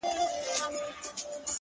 o قاتل ژوندی دی ـ مړ یې وجدان دی ـ